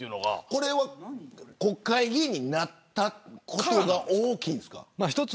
これは国会議員になったことが大きいんですか。